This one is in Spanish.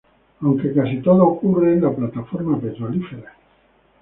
Aunque casi todo ocurre en la plataforma petrolífera.